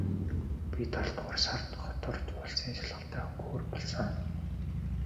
Би долоодугаар сард хот орж улсын шалгалтаа өгөхөөр болсон.